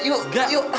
nanda nanda nanda nanda